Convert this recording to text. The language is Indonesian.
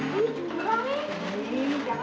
tunggu bu sita